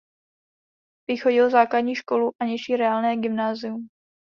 Vychodil základní školu a nižší reálné gymnázium.